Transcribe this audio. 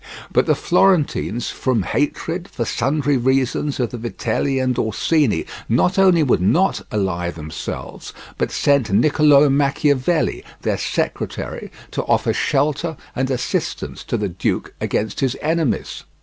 But the Florentines, from hatred, for sundry reasons, of the Vitelli and Orsini, not only would not ally themselves, but sent Nicolo Machiavelli, their secretary, to offer shelter and assistance to the duke against his enemies.